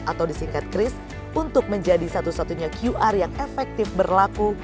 atau disingkat kris untuk menjadi satu satunya qr yang efektif berlaku